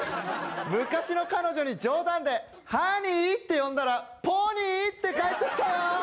昔の彼女に冗談で「ハニー」って呼んだら「ポニー」って返ってきたよ。